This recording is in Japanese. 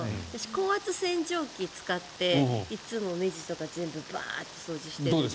高圧洗浄機を使っていつも目地とか全部バーッて掃除してる。